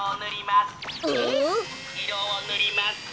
いろをぬります。